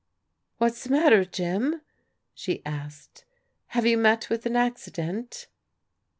"What's the matter, Jim?" she asked. "Have you met with an accident